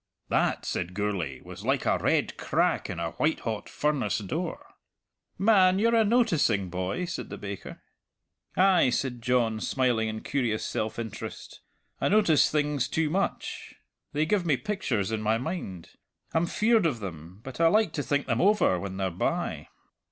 "That," said Gourlay, "was like a red crack in a white hot furnace door." "Man, you're a noticing boy," said the baker. "Ay," said John, smiling in curious self interest, "I notice things too much. They give me pictures in my mind. I'm feared of them, but I like to think them over when they're by."